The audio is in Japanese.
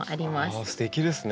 ああすてきですね。